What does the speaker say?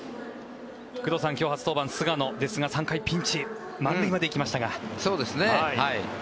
工藤さん、今日初登板の菅野ですが３回ピンチ満塁まで行きましたが。